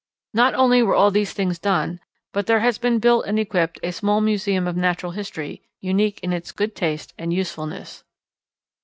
Not only were all these things done, but there has been built and equipped a small museum of Natural History, unique in its good taste and usefulness.